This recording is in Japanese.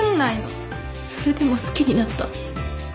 それでも好きになった。